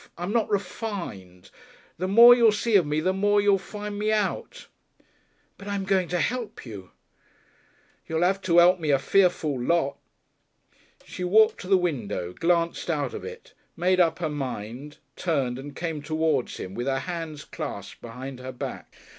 I'm not refined. The more you'll see of me the more you'll find me out." "But I'm going to help you." "You'll 'ave to 'elp me a fearful lot." She walked to the window, glanced out of it, made up her mind, turned and came towards him, with her hands clasped behind her back.